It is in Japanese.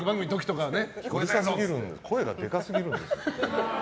声がでかすぎるんですよ。